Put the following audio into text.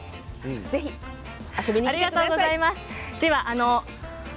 ありがとうございます。